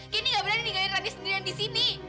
gendy gak berani ninggain rani sendirian di sini